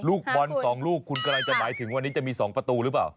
ลูกบอล๒ลูกคุณกำลังจะหมายถึงวันนี้จะมี๒ประตูหรือเปล่า